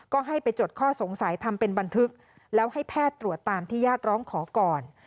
ก็ให้ไปจดข้อสงสัยทำเป็นบันทึกแล้วให้แพทย์ตรวจตามที่ญาติร้องขอก่อน